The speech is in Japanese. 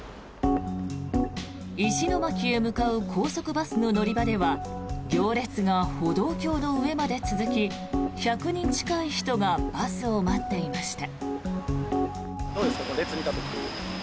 石巻へ向かう高速バスの乗り場では行列が歩道橋の上まで続き１００人近い人がバスを待っていました。